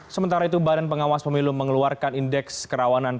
sementara itu badan pengawas pemilu mengeluarkan indeks kerawanan